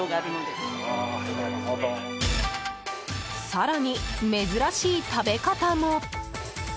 更に、珍しい食べ方も。